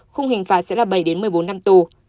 khung hình phạt sẽ là bảy một mươi bốn năm tù